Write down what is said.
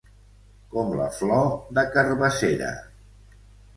Com la flor de carabassera.